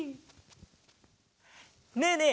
ねえねえ